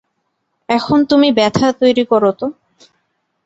এখন তুমি ব্যথা তৈরি কর তো!